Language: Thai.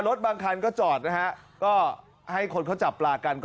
รถบางคันก็จอดนะฮะก็ให้คนเขาจับปลากันก็